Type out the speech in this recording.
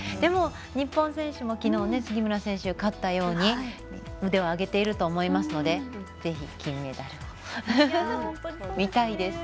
日本選手もきのう杉村選手、勝ったように腕を上げていると思いますのでぜひ金メダル、見たいです。